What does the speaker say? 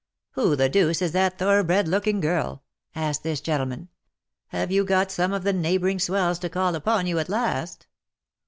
*^ Who the deuce is that thoroughbred looking girl ?" asked this gentleman. '^ Have you got some of the neighbouring swells to call upon you, at last